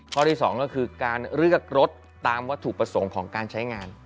ข้อที่๒ก็คือการเลือกรถตามวัตถุประสงค์ของการใช้งาน